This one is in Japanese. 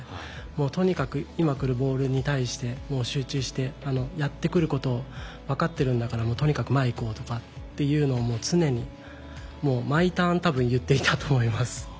とにかく今来るボールに対してもう集中してやってくることが分かってるんだからとにかく前に行こうとかっていうのを常に、毎ターン多分言っていたと思います。